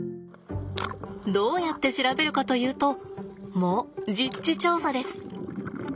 どうやって調べるかというともう実地調査です。